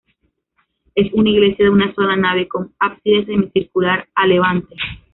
Es una iglesia de una sola nave, con ábside semicircular a levante.